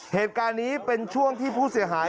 เหตุการณ์นี้เป็นช่วงที่ผู้เสียหาย